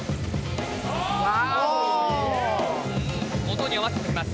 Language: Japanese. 音に合わせてきます。